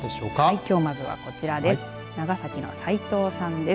きょう、まずはこちらです。